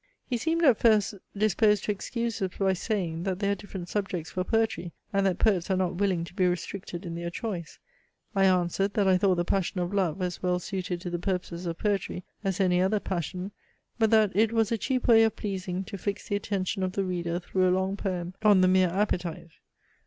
He seemed at first disposed to excuse this by saying, that there are different subjects for poetry, and that poets are not willing to be restricted in their choice. I answered, that I thought the passion of love as well suited to the purposes of poetry as any other passion; but that it was a cheap way of pleasing to fix the attention of the reader through a long poem on the mere appetite.